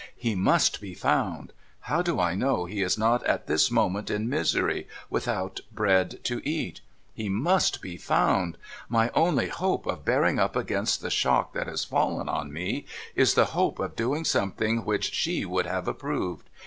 He must be found ! How do I know he is not at this moment in misery, without bread to eat ? He must be found ! My only hope of bearing up against the shock that has fallen on me, is the hope of doing something which she would have approved.